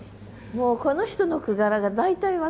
もうこの人の句柄が大体分かりました。